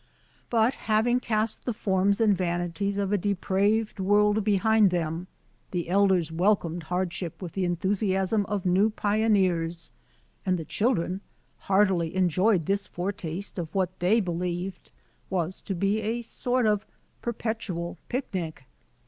But, having cast the forms and vanities of a depraved world be hind them, the elders welcomed hardship with the enthusiasm of new pioneers, and the children heartily enjoyed this foretaste of what they be lieved was to be a sort of perpetual picnic.